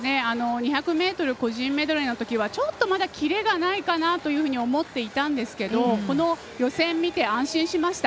２００ｍ個人メドレーのときはまだキレがないかなと思っていたんですが予選見て、安心しました。